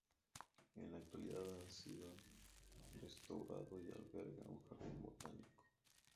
En la actualidad, ha sido restaurado y alberga un jardín botánico.